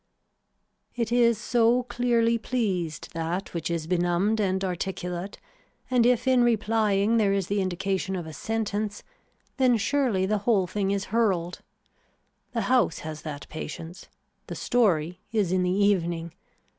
It is so clearly pleased that which is benumbed and articulate and if in replying there is the indication of a sentence then surely the whole thing is hurled. The house has that patience. The story is in the evening.